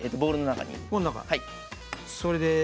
ボウルの中に。